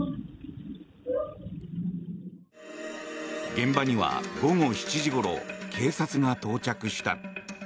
現場には午後７時ごろ警察が到着した。